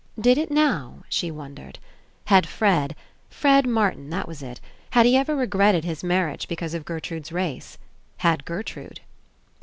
Did it now, she won dered? Had Fred — Fred Martin, that was It — had he ever regretted his marriage because of Gertrude's race? Had Ger trude